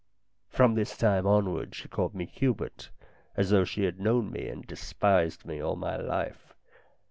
From this time onward she called me Hubert, as though she had known me and despised me all my life.